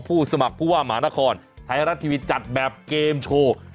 สมัครผู้ว่าหมานครไทยรัฐทีวีจัดแบบเกมโชว์